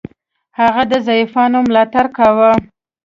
هغه د ضعیفانو ملاتړ کاوه.